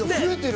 増えてる。